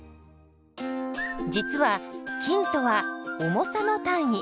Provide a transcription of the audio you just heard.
実は「斤」とは「重さ」の単位。